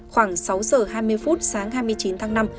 khoảng sáu giờ hai mươi phút sáng hai mươi chín tháng năm